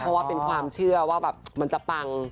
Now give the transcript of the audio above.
เพราะเป็นความเชื่อว่าสาธารณ์แบบมันจะปัง